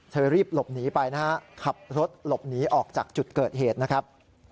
รีบหลบหนีไปนะฮะขับรถหลบหนีออกจากจุดเกิดเหตุนะครับ